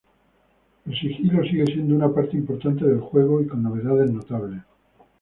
El sigilo sigue siendo una parte importante del juego y con novedades notables.